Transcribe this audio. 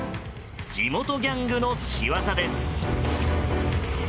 地元ギャングの仕業です。